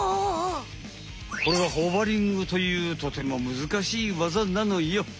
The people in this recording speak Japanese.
これはホバリングというとてもむずかしいわざなのよ！